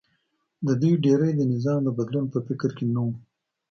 د دوی ډېری د نظام د بدلون په فکر کې نه و